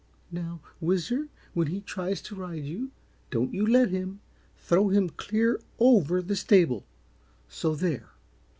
"Now, Whizzer, when he tries to ride you, don't you let him! Throw him clear over the STABLE so there!"